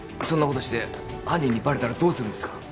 そんなことして犯人にバレたらどうするんですか？